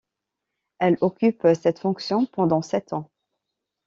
Elle occupe cette fonction pendant sept ans.